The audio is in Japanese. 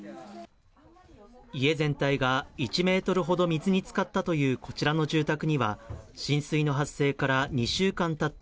家全体が１メートルほど水につかったというこちらの住宅には、浸水の発生から２週間たった